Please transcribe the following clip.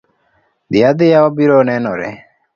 Dhi adhiya wabiro nenore.